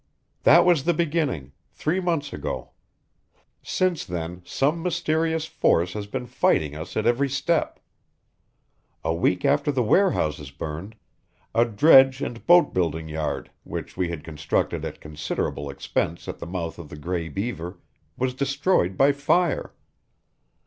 "That was the beginning three months ago. Since then some mysterious force has been fighting us at every step. A week after the warehouses burned, a dredge and boat building yard, which we had constructed at considerable expense at the mouth of the Gray Beaver, was destroyed by fire.